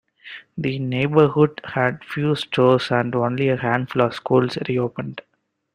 The neighborhood had few stores and only a handful of schools reopened.